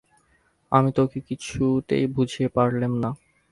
আমি তো ওঁকে কিছুতেই বুঝিয়ে পারলেম না।